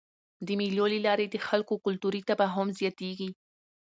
د مېلو له لاري د خلکو کلتوري تفاهم زیاتېږي.